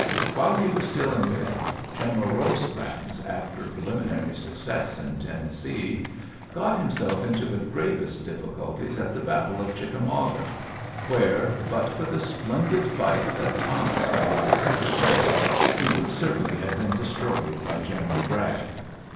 While he was sti] in bed; General BosecranS; after prelini inary snccess in Tennessee; got himsel into the gravest difOLcnlties at the bal tie of Ghickamanga; wherC; bnt for th splendid fight that Thomas made th second day, he would certainly hav been destroyed by General Bragg.